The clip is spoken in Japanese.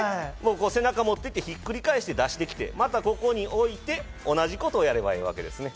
背中に持っていって、繰り返して、出してきて、またここに置いて、同じことをやればいいわけです。